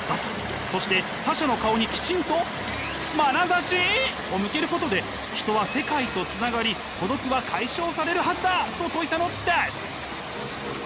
そして他者の顔にきちんとまなざし！を向けることで人は世界とつながり孤独は解消されるはずだと説いたのです！